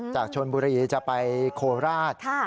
จากชนบุรีจะไปโคราช